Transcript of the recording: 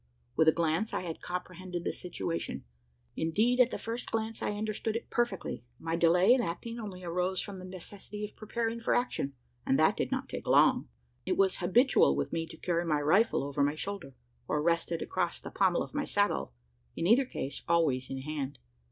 With a glance, I had comprehended the situation: indeed, at the first glance I understood it perfectly. My delay in acting only arose from the necessity of preparing for action; and that did not take long. It was habitual with me to carry my rifle over my shoulder, or rested across the pommel of my saddle: in either case, always in hand.